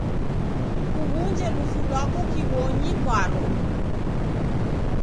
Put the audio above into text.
Kuw'unje lufu lwako kiw'onyi kwaro.